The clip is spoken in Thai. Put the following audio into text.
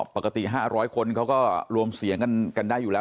ปกติ๕๐๐คนเขาก็รวมเสียงกันได้อยู่แล้ว